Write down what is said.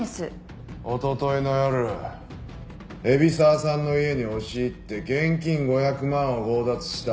おとといの夜海老沢さんの家に押し入って現金５００万を強奪した。